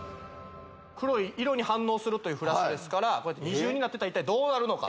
黒い色に反応するというフラッシュですからこうやって二重になってたら一体どうなるのか？